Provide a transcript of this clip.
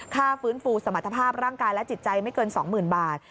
ฟื้นฟูสมรรถภาพร่างกายและจิตใจไม่เกิน๒๐๐๐บาท